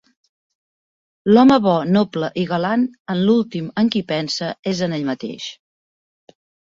L'home bo, noble i galant en l'últim en qui pensa és en ell mateix